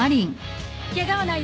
ケガはない？